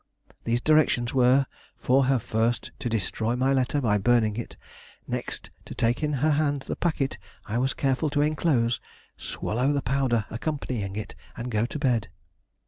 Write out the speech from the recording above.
These directions were for her first to destroy my letter by burning it, next to take in her hand the packet I was careful to enclose, swallow the powder accompanying it, and go to bed.